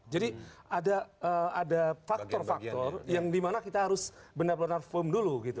jadi ada faktor faktor yang di mana kita harus benar benar firm dulu